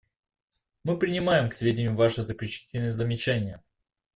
Мы принимаем к сведению Ваши заключительные замечания.